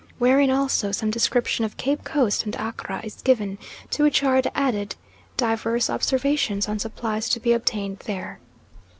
Wherein also some description of Cape Coast and Accra is given, to which are added divers observations on supplies to be obtained there.